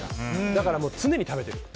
だから常に食べてる。